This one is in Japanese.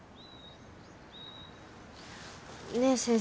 ねえ先生。